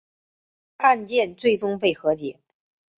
案件最终被和解了。